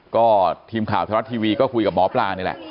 ก็ทีมข่าวไทยรัฐทีวีก็คุยกับหมอปลานี่แหละ